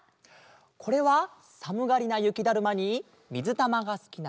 これはさむがりなゆきだるまにみずたまがすきなしまうま。